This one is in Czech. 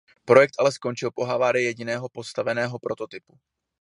Projekt ale skončil po havárii jediného postaveného prototypu.